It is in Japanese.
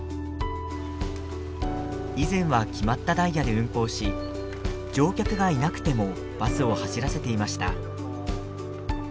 以前は決まったダイヤで運行し乗客がいなくてもバスを走らせていました。